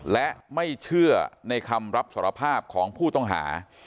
และไม่เชื่อในคำรับสารภาพของผู้ต้องหา